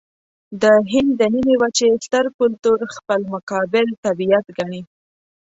د هند د نيمې وچې ستر کلتور خپل مقابل طبیعت ګڼي.